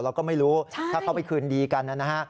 เราก็ไม่รู้ถ้าเขาไปคืนดีกันนะฮะ